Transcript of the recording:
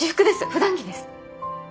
普段着です。